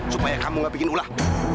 supaya kamu gak bikin ulah